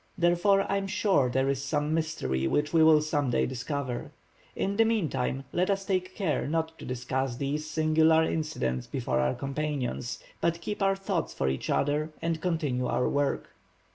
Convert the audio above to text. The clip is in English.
Therefore, I am sure there is some mystery which we will some day discover. In the mean time, let us take care not to discuss these singular incidents before our companions, but keep our thoughts for each other, and continue our work."